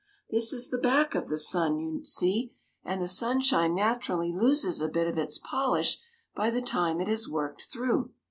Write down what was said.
This is the back of the sun, you see, and the sunshine naturally loses a bit of its polish by the time it has worked through."